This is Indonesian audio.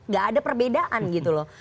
gak ada perbedaan gitu loh